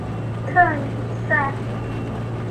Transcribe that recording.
特尼塞。